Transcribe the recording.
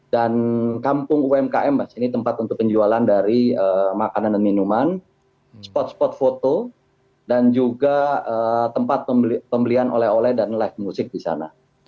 dan kampung umkm ini tempat untuk penjualan dari makanan dan minuman spot spot foto dan juga tempat pembelian oleh oleh dan live music di sana